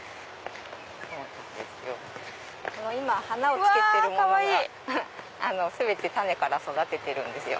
花をつけてるものは全て種から育ててるんですよ。